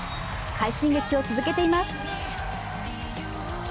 快進撃を続けています。